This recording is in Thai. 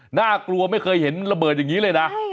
น่ากลัวไม่เคยเห็นระเบิดอย่างนี้เลยนะ